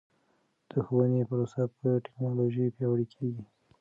د ښوونې پروسه په ټکنالوژۍ پیاوړې کیږي.